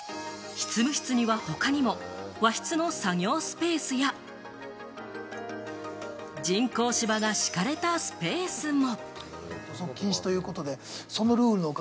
執務室には他にも和室の作業スペースや人工芝が敷かれたスペースも。